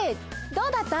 どうだった？